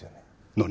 何？